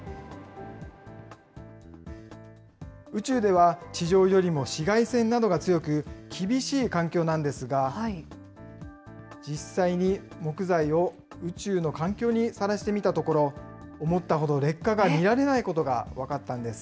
宇宙では地上よりも紫外線などが強く、厳しい環境なんですが、実際に木材を宇宙の環境にさらしてみたところ、思ったほど劣化が見られないことが分かったんです。